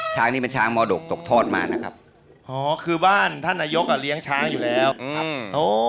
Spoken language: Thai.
ช้างนี้จะมีช้างโมดก